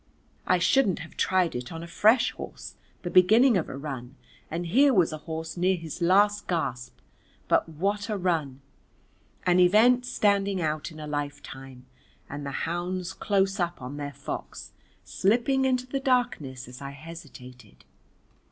I shouldn't have tried it on a fresh horse the beginning of a run, and here was a horse near his last gasp. But what a run! an event standing out in a lifetime, and the hounds close up on their fox, slipping into the darkness as I hesitated.